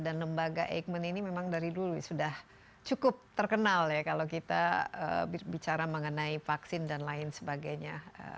dan lembaga eijkman ini memang dari dulu sudah cukup terkenal ya kalau kita bicara mengenai vaksin dan lain sebagainya